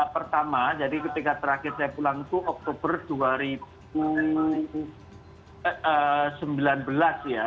pertama jadi ketika terakhir saya pulang itu oktober dua ribu sembilan belas ya